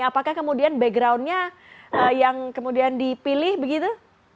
apakah kemudian backgroundnya yang kemudian dipilih begitu